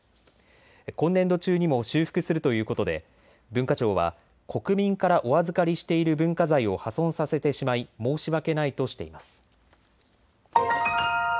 今年度中にも修復するということで文化庁は国民からお預かりしている文化財を破損させてしまい申し訳ないとしています。